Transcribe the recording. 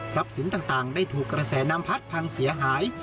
สินต่างได้ถูกกระแสน้ำพัดพังเสียหาย